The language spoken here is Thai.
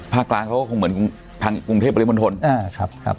กลางเขาก็คงเหมือนทางกรุงเทพบริมณฑลอ่าครับ